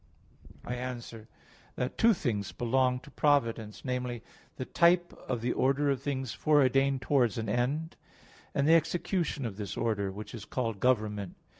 I answer that, Two things belong to providence namely, the type of the order of things foreordained towards an end; and the execution of this order, which is called government.